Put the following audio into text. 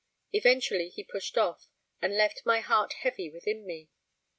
Eventually he pushed off, and left my heart heavy within me.